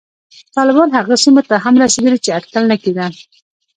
طالبان هغو سیمو ته هم رسېدلي چې اټکل نه کېده